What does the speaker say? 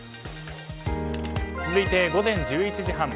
続いて午前１１時半。